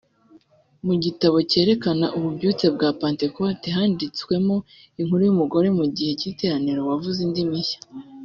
Mu gitabo cyerekana ububyutse bwa Pantekote handitswemo inkuru y’umugore mu gihe cy’iteraniro wavuze indimi nshya